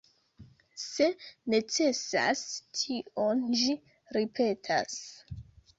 Se necesas tion ĝi ripetas.